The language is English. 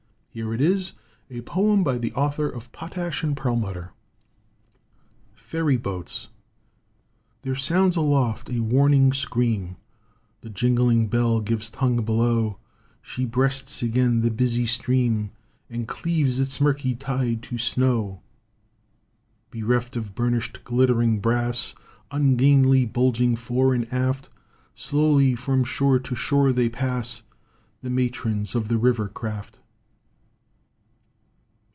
Here it is a poem by the author of '' Potash and Perlmutter ": FERRYBOATS There sounds aloft a warning scream, The jingling bell gives tongue below, She breasts again the busy stream, And cleaves its murky tide to snow. Bereft of burnished glittering brass, Ungainly bulging fore and aft, Slowly from shore to shore they pass The matrons of the river craft.